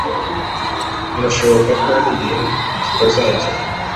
Birashoboko ko ari igihe kitaragera